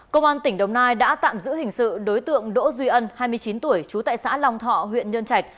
công an tỉnh đồng nai đã tạm giữ hình sự đối tượng đỗ duy ân hai mươi chín tuổi trú tại xã long thọ huyện nhân trạch